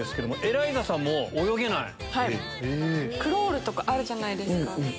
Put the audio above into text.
クロールあるじゃないですか。